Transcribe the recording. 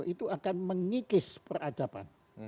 itu akan mengikis peradaban